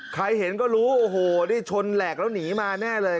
ใครเห็นก็รู้โอ้โหได้ชนแหลกแล้วหนีมาแน่เลย